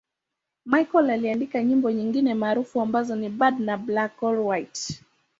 Michael aliandika nyimbo nyingine maarufu ambazo ni 'Bad' na 'Black or White'.